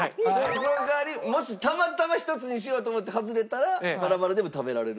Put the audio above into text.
その代わりもしたまたまひとつにしようと思って外れたらバラバラでも食べられる？